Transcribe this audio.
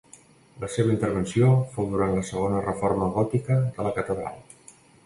La seva intervenció fou durant la segona reforma gòtica de la catedral.